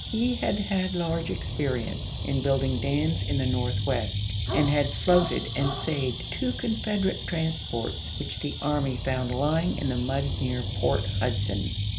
He had had large experience in building dams in the Northwest, and had floated and saved two Confederate transports which the army found lying in the mud near Port Hudson.